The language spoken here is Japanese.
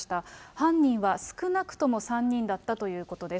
犯人は少なくとも３人だったということです。